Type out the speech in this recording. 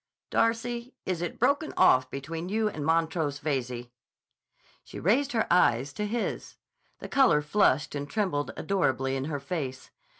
Darcy, is it broken off between you and Montrose Veyze?" She raised her eyes to his. The color flushed and trembled adorably in her face.